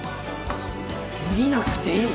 見なくていい！